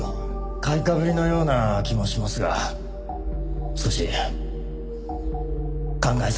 買いかぶりのような気もしますが少し考えさせてください。